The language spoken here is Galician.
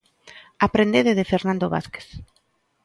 Aprendede de Fernando Vázquez.